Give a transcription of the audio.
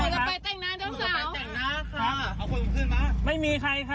ครับพี่เข้าใจผิดแล้ว